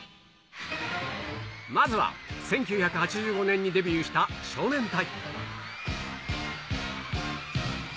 まずは、１９８５年にデビューした少年隊。